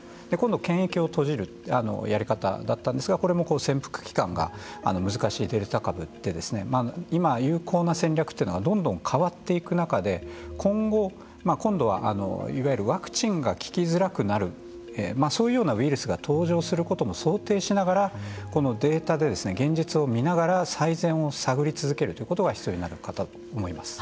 今度検疫を閉じるやり方だったんですがこれも潜伏期間が難しいデルタ株で今、有効な戦略というのがどんどん変わっていく中で今後、今度はいわゆるワクチンが効きづらくなるそういうようなウイルスが登場することも想定しながらこのデータで現実を見ながら最善を探り続けるということが必要になるかと思います。